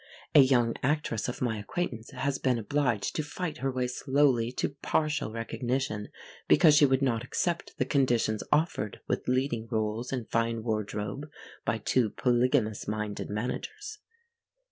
A young actress of my acquaintance has been obliged to fight her way slowly to partial recognition because she would not accept the conditions offered, with leading rôles and fine wardrobe, by two polygamous minded managers.